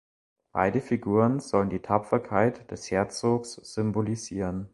Beide Figuren sollen die Tapferkeit des Herzogs symbolisieren.